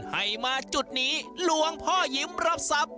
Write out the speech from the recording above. ให้มาจุดนี้หลวงพ่อยิ้มรับทรัพย์